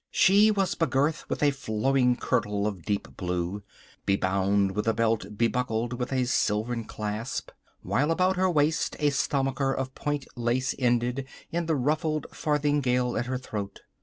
She was begirt with a flowing kirtle of deep blue, bebound with a belt bebuckled with a silvern clasp, while about her waist a stomacher of point lace ended in the ruffled farthingale at her throat.